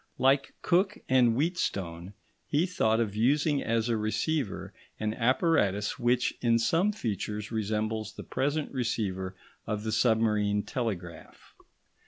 Like Cooke and Wheatstone, he thought of using as a receiver an apparatus which in some features resembles the present receiver of the submarine telegraph.